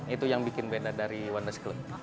itu yang bikin beda dari wonders clue